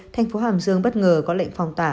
thành phố hàm dương bất ngờ có lệnh phong tỏa